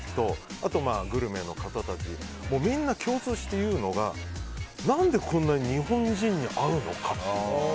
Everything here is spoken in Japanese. あとグルメの方たちみんな共通して言うのが何でこんなに日本人に合うのかって。